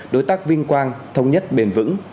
đối tác vinh quang thống nhất bền vững